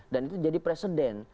dan itu jadi presiden